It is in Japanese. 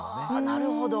なるほど。